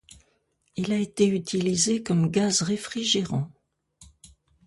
Il a été utilisé comme gaz réfrigérant.